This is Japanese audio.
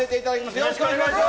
よろしくお願いします。